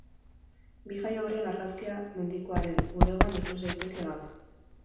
Bi jaioberrien argazkia medikuaren bulegoan ikus daiteke gaur.